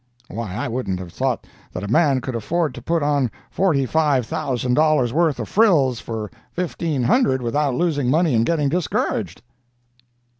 Why I wouldn't have thought that a man could afford to put on forty five thousand dollars' worth of frills for fifteen hundred without losing money and getting discouraged."